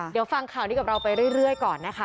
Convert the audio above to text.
เดี๋ยวฟังข่าวนี้กับเราไปเรื่อยก่อนนะคะ